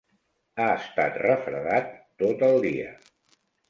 Ha estat refredat tot el dia.